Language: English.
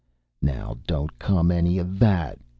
"Now, don't come any of that!"